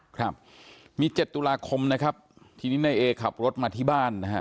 ครับมีเจ็ดตุลาคมนะครับทีนี้นายเอขับรถมาที่บ้านนะฮะ